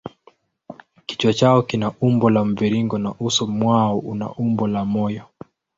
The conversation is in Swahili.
Kichwa chao kina umbo la mviringo na uso mwao una umbo la moyo.